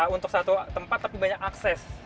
untuk satu tempat tapi banyak akses